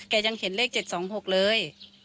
ยังเห็นเลข๗๒๖เลย